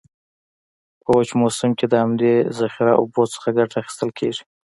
په وچ موسم کې د همدي ذخیره اوبو څخه کټه اخیستل کیږي.